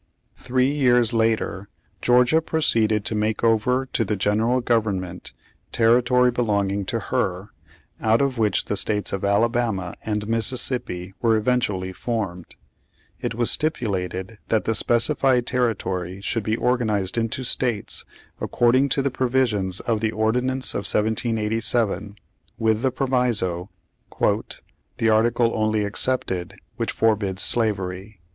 Three years later Georgia proceeded to make over to the General Government territory belong ing to her, out of which the states of Alabama and Mississippi were eventually formed. It was stipu lated that the specified territory should be organ ized into states, according to the provisions of the Ordinance of 1787, with this proviso, "the article only excepted which forbids slavery."